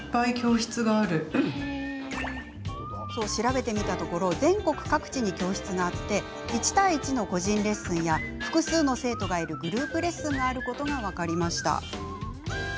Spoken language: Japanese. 調べてみたところ全国各地に教室があり１対１の個人レッスンや複数の生徒がいるグループレッスンがあることが分かりました。